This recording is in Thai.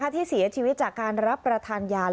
ที่เสียชีวิตจากการรับประทานยา